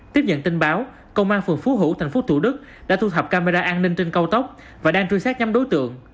tiếp dẫn tin báo công an phường phú hữu tp hcm đã thu thập camera an ninh trên cao tốc và đang truy sát nhắm đối tượng